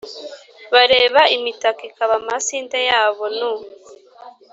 Bareba imitaka, ikaba amasinde yabo nu :